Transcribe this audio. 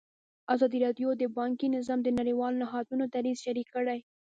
ازادي راډیو د بانکي نظام د نړیوالو نهادونو دریځ شریک کړی.